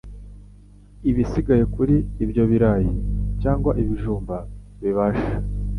Ibisigaye kuri ibyo birayi cyangwa ibijumba bibasha